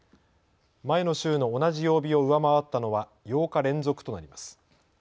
前の週の同じ曜日を上回ったのは８日連続となります。